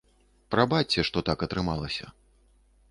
Прабачце, што так атрымалася.